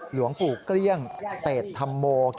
หลวงปลูกเกลี้ยงเตดทัมโม